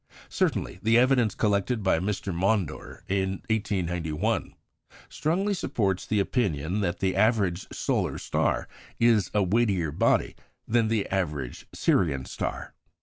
Certainly, the evidence collected by Mr. Maunder in 1891 strongly supports the opinion that the average solar star is a weightier body than the average Sirian star.